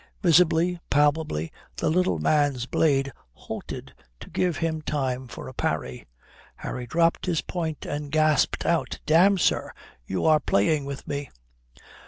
Visibly, palpably, the little man's blade halted to give him time for a parry. Harry dropped his point and gasped out, "Damme, sir, you are playing with me."